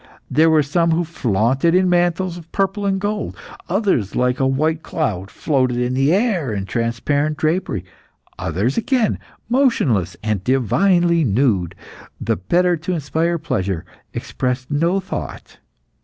There were some who flaunted in mantles of purple and gold; others, like a white cloud, floated in the air in transparent drapery. Others again, motionless and divinely nude, the better to inspire pleasure, expressed no thought.